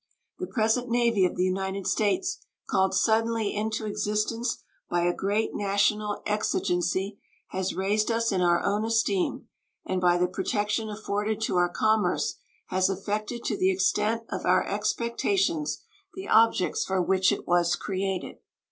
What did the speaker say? The present Navy of the United States, called suddenly into existence by a great national exigency, has raised us in our own esteem, and by the protection afforded to our commerce has effected to the extent of our expectations the objects for which it was created.